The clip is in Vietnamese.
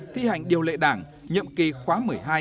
thi hành điều lệ đảng nhiệm kỳ khóa một mươi hai